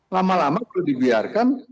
lama lama perlu dibiarkan